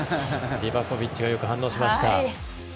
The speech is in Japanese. リバコビッチがよく反応しました。